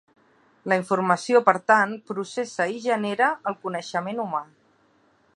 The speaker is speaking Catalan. La informació per tant, processa i genera el coneixement humà.